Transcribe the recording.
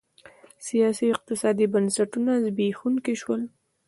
سیاسي او اقتصادي بنسټونه زبېښونکي شول.